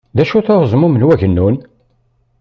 D acu-t uɛeẓmum n wagnun?